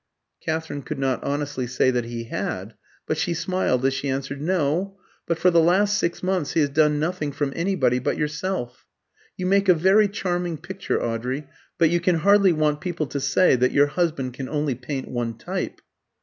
Katherine could not honestly say that he had; but she smiled as she answered, "No; but for the last six months he has done nothing from anybody but yourself. You make a very charming picture, Audrey, but you can hardly want people to say that your husband can only paint one type."